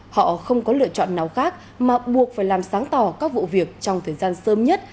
họ không có lựa chọn nào khác mà buộc phải làm sáng tỏ các vụ việc trong thời gian sớm nhất